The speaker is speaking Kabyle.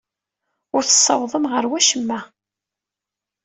Ur tessawḍem ɣer wacemma.